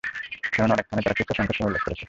কেননা, অনেক স্থানে তারা খুচরা সংখ্যাসহ উল্লেখ করেছে।